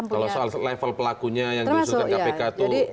kalau soal level pelakunya yang diusulkan kpk itu bisa tingkat bawah